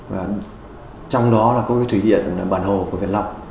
và trong đó là có cái thủy điện bản hồ của việt long